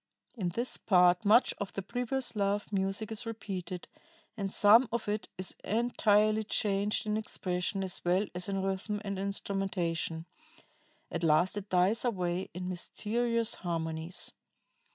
"In this part much of the previous love music is repeated, and some of it is entirely changed in expression as well as in rhythm and instrumentation. At last it dies away in mysterious harmonies.